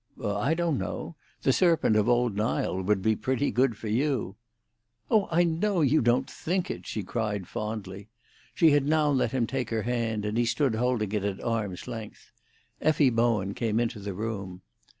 "I don't know. The serpent of old Nile would be pretty good for you." "Oh, I know you don't think it!" she cried fondly. She had now let him take her hand, and he stood holding it at arm's length. Effie Bowen came into the room.